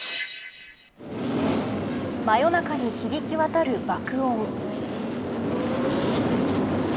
真夜中に響き渡る爆音。